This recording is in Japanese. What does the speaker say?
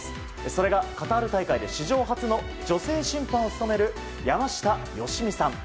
それがカタール大会で史上初の女性審判員を務める山下良美さん。